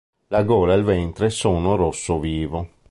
La gola e il ventre sono rosso vivo.